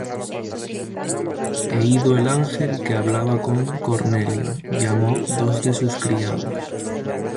E ido el ángel que hablaba con Cornelio, llamó dos de sus criados,